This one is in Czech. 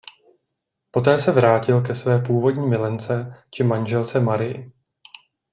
Poté se vrátil ke své původní milence či manželce Marii.